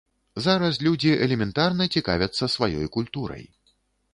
Зараз людзі элементарна цікавяцца сваёй культурай.